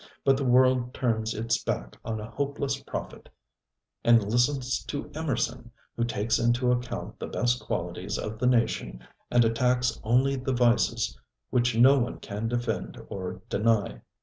But the world turns its back on a hopeless prophet and listens to Emerson who takes into account the best qualities of the nation and attacks only the vices which no one can defend or deny.